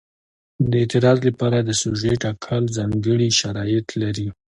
د اعتراض لپاره د سوژې ټاکل ځانګړي شرایط لري.